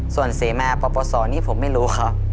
ส่วนเสมาปปศนี่ผมไม่รู้ครับ